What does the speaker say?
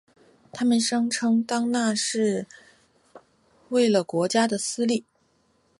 他们声称当那是为了国家的私利。